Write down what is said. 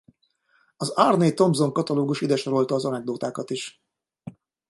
Az Aarne-Thompson katalógus ide sorolta az anekdotákat is.